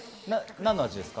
なんの味ですか？